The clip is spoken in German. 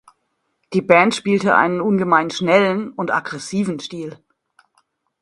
Die Band spielte einen ungemein schnellen und aggressiven Stil.